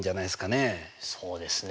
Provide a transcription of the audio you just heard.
そうですね